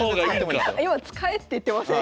今「使え」って言ってません？